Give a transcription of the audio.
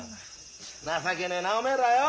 情けねえなおめえらよ。